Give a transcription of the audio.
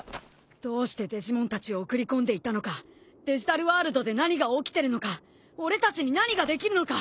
どうしてデジモンたちを送り込んでいたのかデジタルワールドで何が起きてるのか俺たちに何ができるのか会って話を！